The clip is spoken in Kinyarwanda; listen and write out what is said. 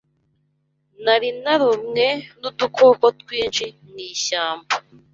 Nari narumwe nudukoko twinshi mwishyamba.